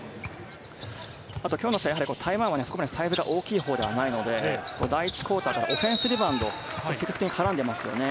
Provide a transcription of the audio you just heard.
今日の試合は台湾はサイズが大きいほうではないので、第１クオーターからオフェンスリバウンド、積極的に絡んでいますね。